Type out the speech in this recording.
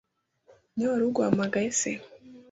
Niwe wari uguhamagaye se?”